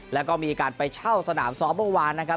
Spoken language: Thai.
แล้วก็มีการไปเช่าสนามสอบวันนะครับ